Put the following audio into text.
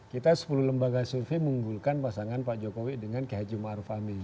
kita sepuluh lembaga survei mengumpulkan pasangan pak jokowi dengan kehajum arfami